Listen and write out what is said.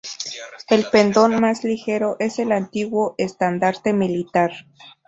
El pendón, más ligero, es el antiguo estandarte militar.